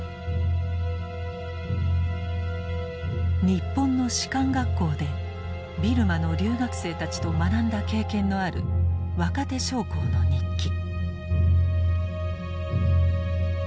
日本の士官学校でビルマの留学生たちと学んだ経験のある若手将校の日記。